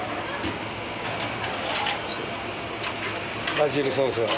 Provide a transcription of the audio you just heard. バジルソース。